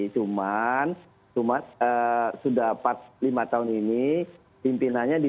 cuman sudah empat puluh lima tahun ini pimpinannya ditimunin oleh pak tiaya amidan